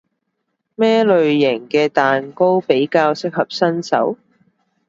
咩類型嘅蛋糕比較適合新手？